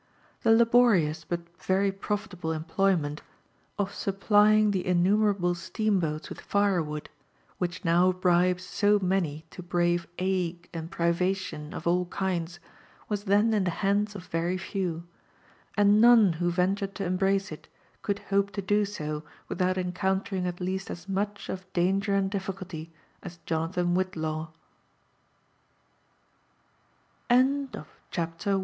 The laborious ^ut very profitable employment of supplying the innu JONATHAN JEFFERSON WHITLAW. menbto Steamboats with fire wood, which now bribes so many to brare ague and privation of all kinds, was then in the hands of very few; and none who yenlured to embrace it could hope to do so wilhoul en eouotering at least as much of danger and diflBcully as Jona